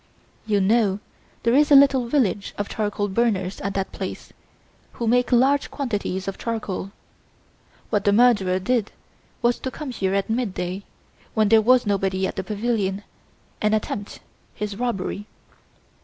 You know there is a little village of charcoal burners at that place, who make large quantities of charcoal. What the murderer did was to come here at midday, when there was nobody at the pavilion, and attempt his robbery."